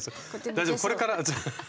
大丈夫これから。